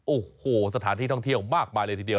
โอ้โหสถานที่ท่องเที่ยวมากมายเลยทีเดียว